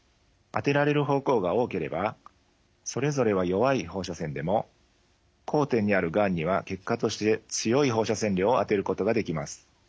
当てられる方向が多ければそれぞれは弱い放射線でも交点にあるがんには結果として強い放射線量を当てることができます。